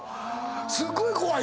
すっごい怖い。